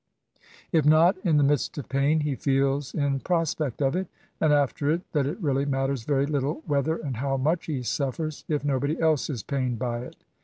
If not hi the midst of pain, he feels in prospect of it, and after it, that it really matters very little whether and how much he suffers, if nobody else is pained by it.